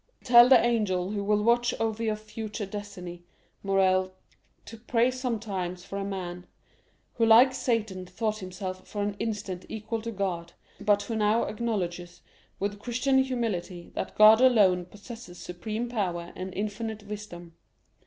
Tell the angel who will watch over your future destiny, Morrel, to pray sometimes for a man, who, like Satan, thought himself for an instant equal to God, but who now acknowledges with Christian humility that God alone possesses supreme power and infinite wisdom.